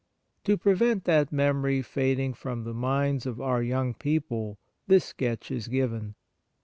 To prevent that memory fading from the minds of our young people this sketch is given.